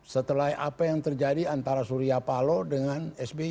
setelah apa yang terjadi antara surya paloh dengan sby